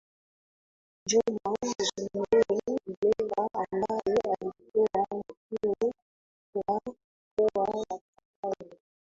Juma Zuberi Homera ambaye alikuwa Mkuu wa mkoa wa Katavi